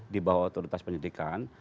di bawah otoritas penyidikan